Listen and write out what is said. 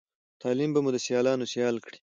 تعليم به مو د سیالانو سيال کړی